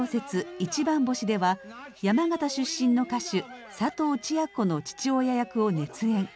「いちばん星」では山形出身の歌手佐藤千夜子の父親役を熱演。